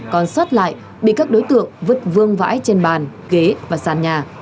còn xót lại bị các đối tượng vứt vương vãi trên bàn ghế và sàn nhà